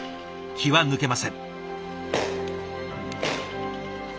気は抜けません。